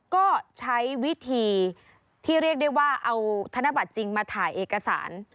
ก็ใช้วิธีที่เรียกได้ว่าเอาธนบัตรจริงมาถ่ายเอกสาร